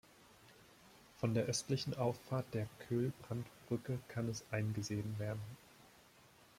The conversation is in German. Von der östlichen Auffahrt der Köhlbrandbrücke kann es eingesehen werden.